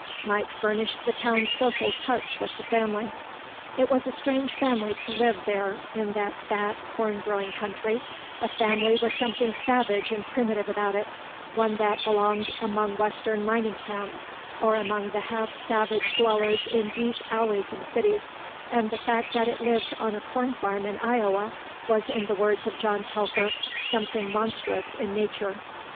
Mike furnished the town's social touch with the family. It was a strange family to live there in that fat, corn growing country, a family with something savage and primitive about it, one that belonged among western mining camps or among the half savage dwellers in deep alleys in cities, and the fact that it lived on a corn farm in Iowa was, in the words of John Telfer, "something monstrous in Nature."